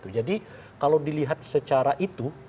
jadi kalau dilihat secara itu